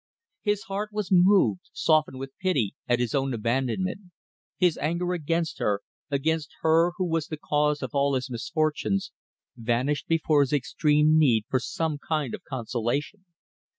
His heart was moved, softened with pity at his own abandonment. His anger against her, against her who was the cause of all his misfortunes, vanished before his extreme need for some kind of consolation.